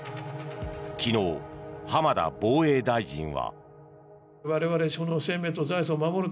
昨日、浜田防衛大臣は。